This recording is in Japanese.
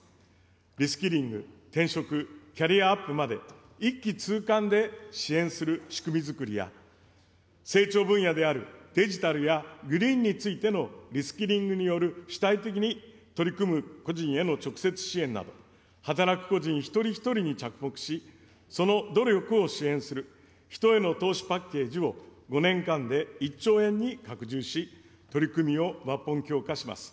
リスキリング、転職、キャリアアップまで、一気通貫で支援する仕組みづくりや、成長分野であるデジタルやグリーンについてのリスキリングによる主体的に取り組む個人への直接支援など、働く個人一人一人に着目し、その努力を支援する、人への投資パッケージを、５年間で１兆円に拡充し、取り組みを抜本強化します。